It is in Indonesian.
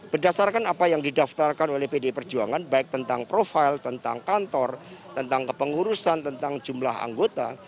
berdasarkan apa yang didaftarkan oleh pd perjuangan baik tentang profil tentang kantor tentang kepengurusan tentang jumlah anggota